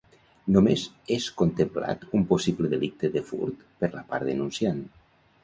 Només és contemplat un possible delicte de furt per la part denunciant.